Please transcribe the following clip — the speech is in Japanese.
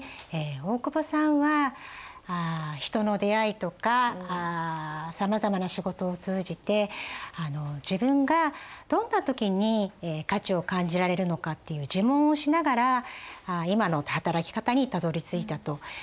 大久保さんは人の出会いとかさまざまな仕事を通じて自分がどんな時に価値を感じられるのかっていう自問をしながら今の働き方にたどりついたと。